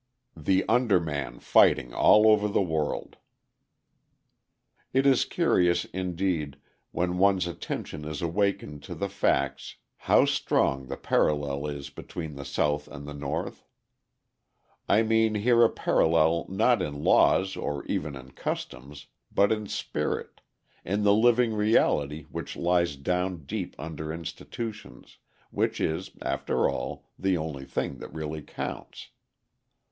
The Underman Fighting All Over the World It is curious, indeed, when one's attention is awakened to the facts, how strong the parallel is between the South and the North. I mean here a parallel not in laws or even in customs, but in spirit, in the living reality which lies down deep under institutions, which is, after all, the only thing that really counts.